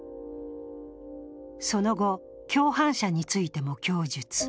その後、共犯者についても供述。